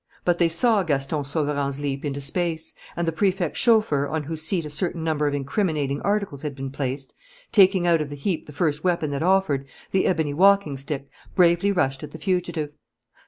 But they saw Gaston Sauverand's leap into space; and the Prefect's chauffeur, on whose seat a certain number of incriminating articles had been placed, taking out of the heap the first weapon that offered, the ebony walking stick, bravely rushed at the fugitive.